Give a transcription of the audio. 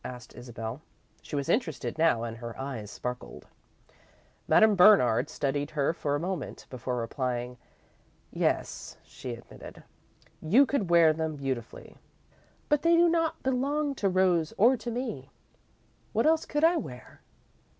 asked Isabel. She was interested now and her eyes sparkled. Madame Bernard studied her for a moment before replying. "Yes," she admitted, "you could wear them beautifully, but they do not belong to Rose, or to me." "What else could I wear?"